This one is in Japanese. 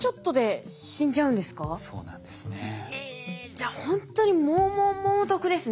じゃあほんとに猛猛猛毒ですね。